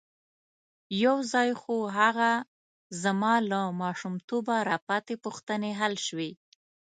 یو ځای خو هغه زما له ماشومتوبه را پاتې پوښتنې حل شوې.